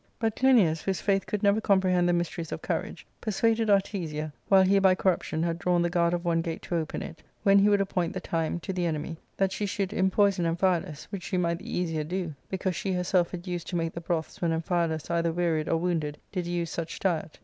But Clinias, whose faith could never comprehend the mysteries of courage, persuaded Artesia, while he by cor* ruption had drawn the guard of one gate to open it, when he would appoint the time, to the enemy, that she should im poison Amphialus, which she might the easier do, because she herself had used to make the broths when Amphialus, either wearied or wounded, did use such diet.